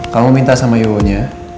kamu minta sama yowonya